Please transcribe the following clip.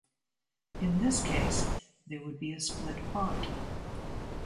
In this case, there would be a split pot.